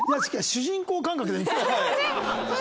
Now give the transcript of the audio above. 主人公感覚で。